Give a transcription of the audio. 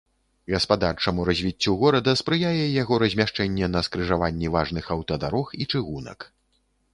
Гаспадарчаму развіццю горада спрыяе яго размяшчэнне на скрыжаванні важных аўтадарог і чыгунак.